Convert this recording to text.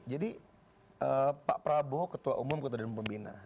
jadi pak prabowo ketua umum ketua dan pembina